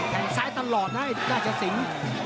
แข่งซ้ายตลอดนะไอ้ราชสิง